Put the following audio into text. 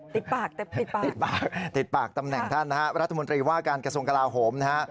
ติดปากเต็มปิดปากติดปากติดปากตำแหน่งท่านนะฮะรัฐมนตรีว่าการกระทรวงกลาโหมนะฮะ